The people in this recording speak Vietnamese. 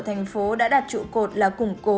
tp hcm đã đặt trụ cột là củng cố